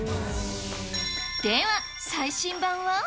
では、最新版は？